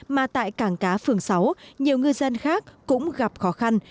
mà tại cảng cá phường sáu nhiều ngư dân khác cũng gặp khó khăn